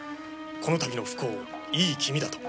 この度の不幸をいい気味だと。